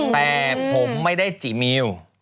แต่ผมไม่ได้จิมิว